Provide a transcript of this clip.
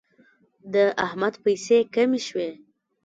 د احمد پیسې کمې شوې.